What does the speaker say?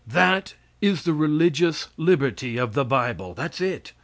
That is the religious liberty of the bible that's it.